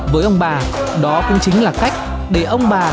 với ông bà đó cũng chính là cách để ông bà